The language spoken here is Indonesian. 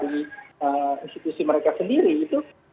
di institusi mereka sendiri itu